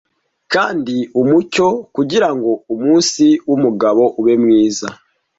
Kandi umucyo kugirango umunsi wumugabo ube mwiza: